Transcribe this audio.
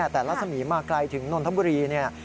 แต่รัศมีร์มาไกลถึงนนทบุรีเนี่ย